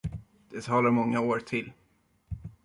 Det håller många år till.